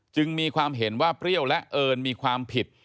จึงมีความเห็นว่าเปรี้ยวและเอิญมีความผิด